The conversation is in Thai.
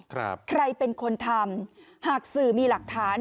ใครเป็นคนทำหากสื่อมีหลักฐาน